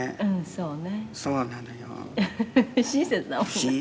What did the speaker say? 「そうね。